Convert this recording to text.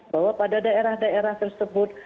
bahwa pada daerah daerah tersebut